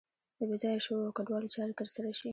د بې ځایه شویو او کډوالو چارې تر سره شي.